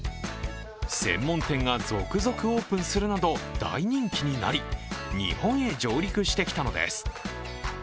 専門店が続々オープンするなど大人気になり日本へ上陸してきたのです。